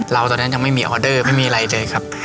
ตอนนั้นยังไม่มีออเดอร์ไม่มีอะไรเลยครับ